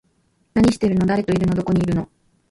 何してるの？誰といるの？どこにいるの？